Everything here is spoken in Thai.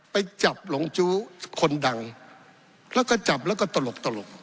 ไปจับหลงจู้คนดังแล้วก็จับแล้วก็ตลก